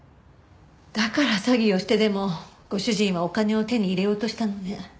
だから詐欺をしてでもご主人はお金を手に入れようとしたのね。